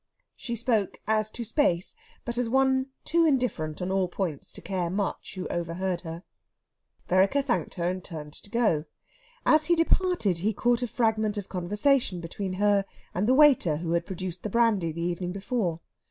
She spoke as to space, but as one too indifferent on all points to care much who overheard her. Vereker thanked her, and turned to go. As he departed he caught a fragment of conversation between her and the waiter who had produced the brandy the evening before.